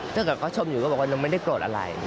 เจ้าก่อนก็ชมอยู่ก็บอกว่าเราไม่ได้โกรธอะไร